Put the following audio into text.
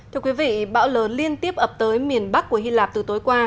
thưa quý vị bão lớn liên tiếp ập tới miền bắc của hy lạp từ tối qua